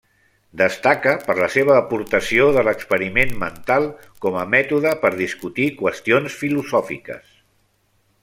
Destaca per la seva aportació de l'experiment mental com a mètode per discutir qüestions filosòfiques.